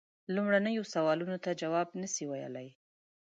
لومړنیو سوالونو ته جواب نه سي ویلای.